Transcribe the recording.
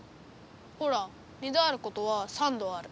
ほら二度あることは三度ある。